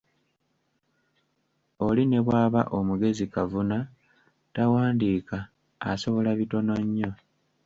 Oli ne bw'aba omugezi kavuna tawandiika, asobola bitono nnyo.